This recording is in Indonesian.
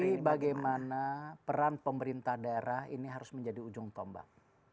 tapi bagaimana peran pemerintah daerah ini harus menjadi ujung tombak